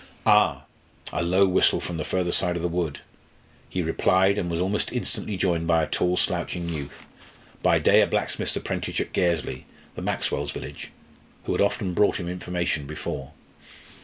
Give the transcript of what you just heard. Ah! a low whistle from the further side of the wood. He replied, and was almost instantly joined by a tall slouching youth, by day a blacksmith's apprentice at Gairsley, the Maxwells' village, who had often brought him information before.